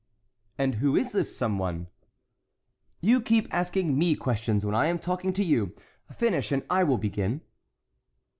"And who is this some one?" "You keep asking me questions when I am talking to you. Finish and I will begin."